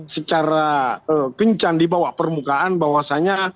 secara kencan di bawah permukaan bahwasannya